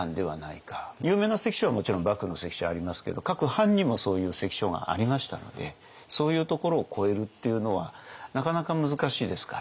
有名な関所はもちろん幕府の関所はありますけど各藩にもそういう関所がありましたのでそういうところを越えるっていうのはなかなか難しいですから。